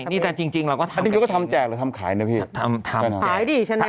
อันนี้ก็ทำแจกหรือทำขายนะพี่ทำขายดิชาแนล